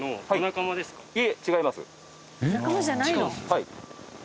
はい。